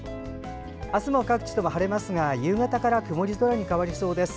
明日も各地とも晴れますが夕方から曇り空に変わりそうです。